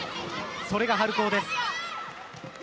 それが春高です。